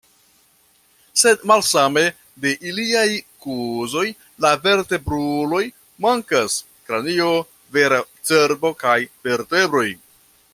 Sed malsame de iliaj kuzoj la vertebruloj, mankas kranio, vera cerbo, kaj vertebroj.